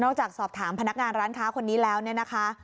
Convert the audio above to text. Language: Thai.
จากสอบถามพนักงานร้านค้าคนนี้แล้วเนี่ยนะคะ